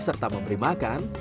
serta memberi makan